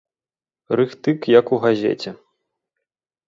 Рыхтык як у газеце.